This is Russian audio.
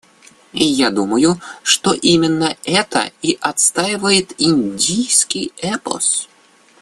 Я думаю, что именно это и отстаивает индийский эпос.